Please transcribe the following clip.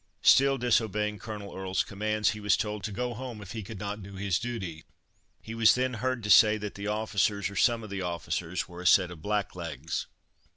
Still disobeying Colonel Earle's commands, he was told "to go home if he could not do his duty." He was then heard to say that the officers, or some of the officers, were "a set of blacklegs."